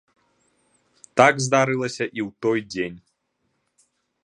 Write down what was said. Так здарылася і ў той дзень.